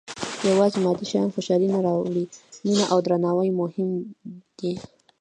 • یوازې مادي شیان خوشالي نه راوړي، مینه او درناوی مهم دي.